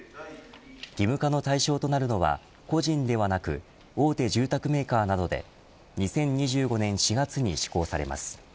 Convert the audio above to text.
義務化の対象となるのは個人ではなく大手住宅メーカーなどで２０２５年４月に施行されます。